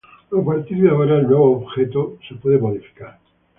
A partir de ahora, el nuevo objeto se puede modificar.